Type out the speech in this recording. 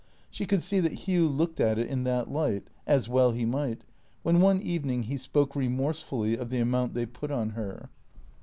She could see that Hugh looked at it in that light (as well he might) when one evening he spoke remorsefully of the amount they put on her.